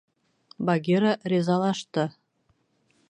— Багира ризалашты.